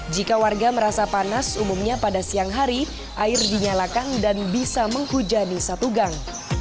jika warga merasa panas umumnya pada siang hari air dinyalakan dan bisa menghujani satu gang